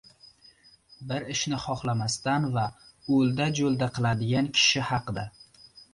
bir ishni xohlamasdan va o‘lda-jo‘lda qiladigan kishi haqida.